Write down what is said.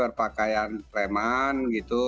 mereka berpakaian reman gitu